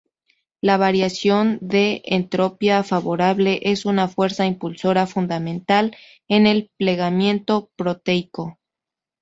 La variación de entropía favorable es una fuerza impulsora fundamental en el plegamiento proteico.